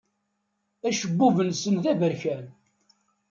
Acebbub-nsen d aberkan.